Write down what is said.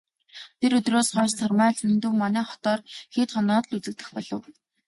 Тэр өдрөөс хойш Сармай Лхүндэв манай хотоор хэд хоноод л үзэгдэх боллоо.